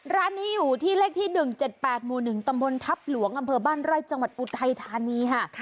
ร้านนี้อยู่ที่เลขที่๑๗๘หมู่๑ตำบลทัพหลวงอำเภอบ้านไร่จังหวัดอุทัยธานีค่ะ